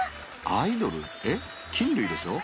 アイドル？え菌類でしょ？